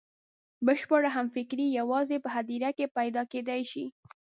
بشپړه همفکري یوازې په هدیره کې پیدا کېدای شي.